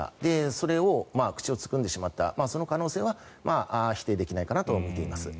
それを口をつぐんでしまったその可能性は否定できないかなとみています。